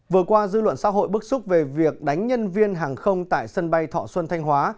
vừa qua dư luận xã hội bức xúc về việc đánh nhân viên hàng không tại sân bay thọ xuân thanh hóa